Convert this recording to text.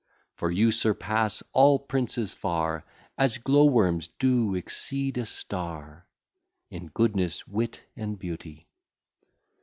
For you surpass all princes far, As glow worms do exceed a star, In goodness, wit, and beauty.